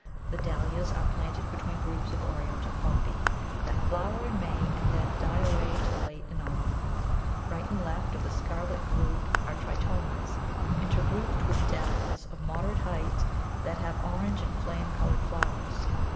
The Dahlias are planted between groups of Oriental Poppy, that flower in May and then die away till late in autumn. Right and left of the scarlet group are Tritomas, intergrouped with Dahlias of moderate height, that have orange and flame coloured flowers.